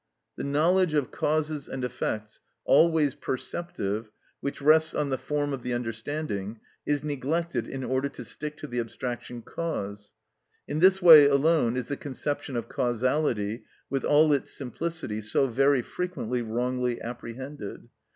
The knowledge of causes and effects, always perceptive, which rests on the form of the understanding, is neglected in order to stick to the abstraction cause. In this way alone is the conception of causality, with all its simplicity, so very frequently wrongly apprehended.